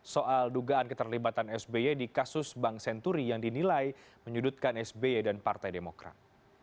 soal dugaan keterlibatan sby di kasus bank senturi yang dinilai menyudutkan sby dan partai demokrat